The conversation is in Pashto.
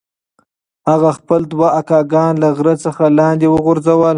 هغه خپل دوه اکاګان له غره څخه لاندې وغورځول.